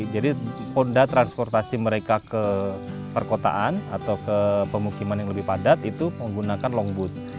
jadi konda transportasi mereka ke perkotaan atau ke pemukiman yang lebih padat itu menggunakan longboot